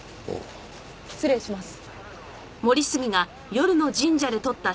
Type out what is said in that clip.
失礼します。